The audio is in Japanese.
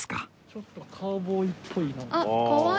ちょっとカウボーイっぽい。